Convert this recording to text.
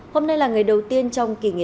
hôm nay là ngày đầu tiên trong kỳ nghiệm